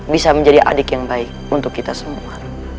bisa menjadi adik yang baik untuk kita semua